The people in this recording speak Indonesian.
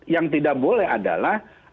yang tidak boleh adalah